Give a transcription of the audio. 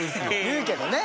言うけどね。